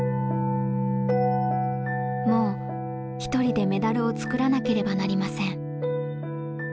もう一人でメダルを作らなければなりません。